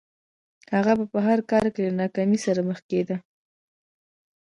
هغه به په هر کار کې له ناکامۍ سره مخ کېده